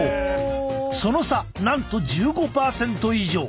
その差なんと１５％以上。